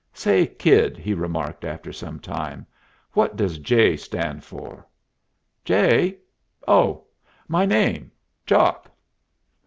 "Say, kid," he remarked, after some time, "what does J stand for?" "J? Oh, my name! Jock."